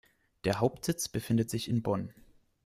Der Hauptsitz befindet sich in Bonn.